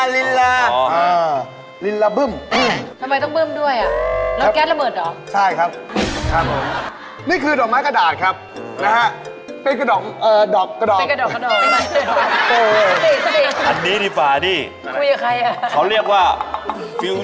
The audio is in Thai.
คุณเยี่ยมแล้วมันควรดีปรรรณอย่างเฉินปรรรณกับยาว